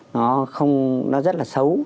nó rất là xấu